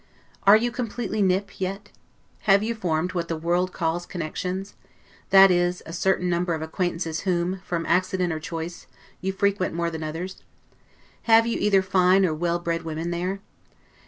Are you completely 'nippe' yet? Have you formed what the world calls connections? that is, a certain number of acquaintances whom, from accident or choice, you frequent more than others: Have you either fine or well bred women there?